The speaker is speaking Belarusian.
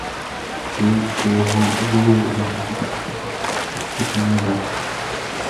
Я яшчэ яго вылаю за гэта, хоць ён мне бацька.